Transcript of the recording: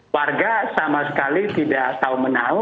warga sama sekali tidak tahu menau